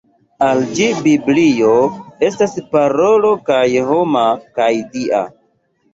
Al ĝi Biblio estas parolo kaj homa kaj Dia.